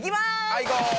はい行こう！